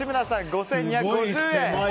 ５２５０円。